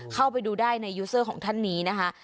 เข้าไปดูได้ในยูเซอร์ของท่านนี้นะคะ